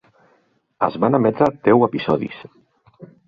Es van emetre deu episodis.